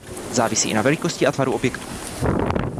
Závisí i na velikosti a tvaru objektů.